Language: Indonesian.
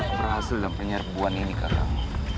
kita harus berhasil dalam penyerbuan ini kak kang